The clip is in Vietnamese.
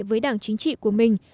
với đảng chính trị của mình